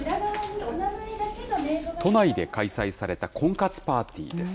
都内で開催された婚活パーティーです。